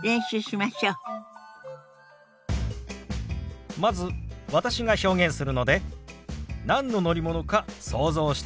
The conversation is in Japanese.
まず私が表現するので何の乗り物か想像してください。